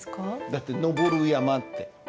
だって「登る山」って。